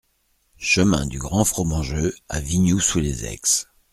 Chemin du Grand Fromangeux à Vignoux-sous-les-Aix